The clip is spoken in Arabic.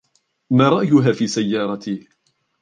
ما رأيها في سيارتي ؟